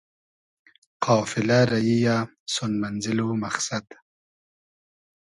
قافیلۂ ریی یۂ سون مئنزېل و مئخسئد